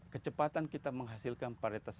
kecepatan kita menghasilkan paritas